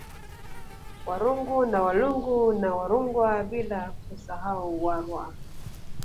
Warungu au Walungu na Warungwa bila kusahau Warwa